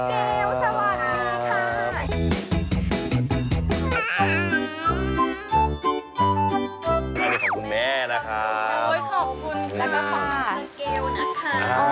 ทำอะไรขอบคุณแม่นะคะงลับมาขอบคุณสเกลค่ะ